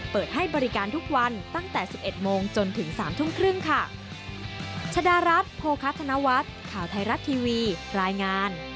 เปิดให้บริการทุกวันตั้งแต่๑๑โมงจนถึง๓ทุ่มครึ่งค่ะ